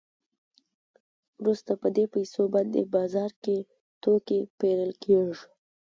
وروسته په دې پیسو باندې بازار کې توکي پېرل کېږي